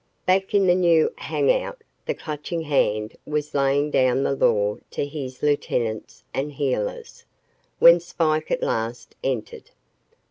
Back in the new hang out, the Clutching Hand was laying down the law to his lieutenants and heelers, when Spike at last entered.